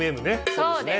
そうです。